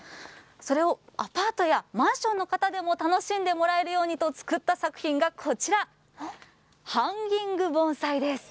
それをアパートやマンションの方でも楽しんでもらえるようにと作った作品がこちら、ハンギング盆栽です。